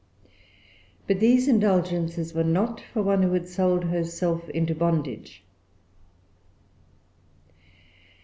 But these indulgences were not for one who had sold herself into bondage.